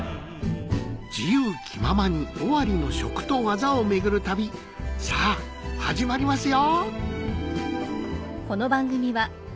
自由気ままに尾張の食と技を巡る旅さぁ始まりますよ